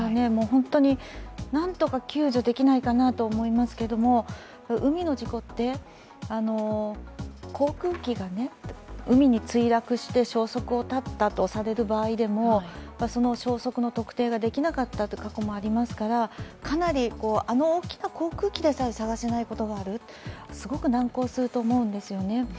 本当になんとか救助できないかなと思いますけども、海の事故って、航空機が海に墜落して消息を絶ったとされる場合でもその消息の特定ができなかったこともありますからあの大きな航空機でさえ探せないこともある、すごく難航すると思うんですよね。